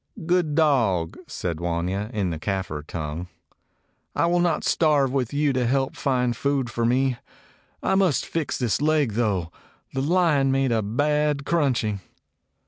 "Good dog!" said Wanya, in the Kafir 174 A KAFIR DOG tongue. "I will not starve with you to help find food for me. I must fix this leg, though. That lion made a bad crunching."